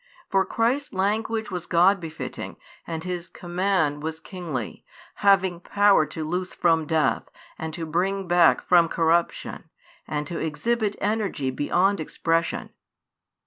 For Christ's language was God befitting and His command was kingly, having power to loose from death, and to bring back from corruption, and to exhibit energy beyond expression.